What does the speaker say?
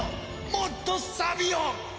もっとさびを！